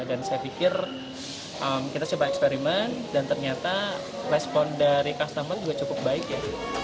dan saya pikir kita coba eksperimen dan ternyata respon dari customer juga cukup baik ya